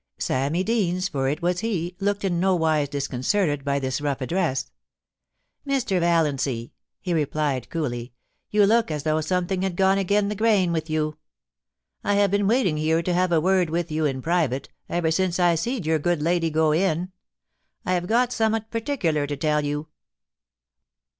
* Sammy Deans, for it was he, looked in nowise discon certed by thb rough address. *Mr. Valiancy,' he replied coolly, *you look as though something had gone agen the grain with you. I have been waiting here to have a word with you in private, ever since I see'd your good lady go in. I have got summat particular to tell you.'